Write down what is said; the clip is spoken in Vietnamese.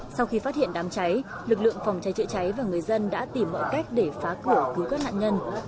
sau khi phát hiện đám cháy lực lượng phòng cháy chữa cháy và người dân đã tìm mọi cách để phá cửa cứu các nạn nhân